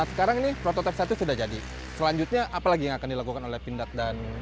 sekarang ini prototipe satu sudah jadi selanjutnya apa lagi yang akan dilakukan oleh pindad dan